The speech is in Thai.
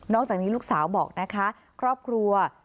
นอกจากนี้ลูกสาวบอกนะคะ